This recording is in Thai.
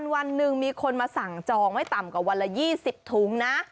วันนึงมีคนมาสั่งจองให้ต่ำกว่าวันละยี่สิบถุงนะ